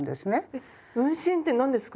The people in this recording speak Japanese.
えっ運針って何ですか？